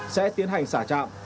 sẽ tiến hành xả trạm